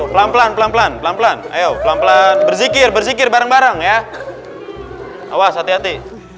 pelan pelan pelan pelan pelan pelan ayo pelan pelan berzikir berzikir bareng bareng ya awas hati hati